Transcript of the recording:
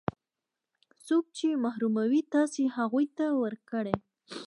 څوک چې محروموي تاسې هغو ته ورکړئ.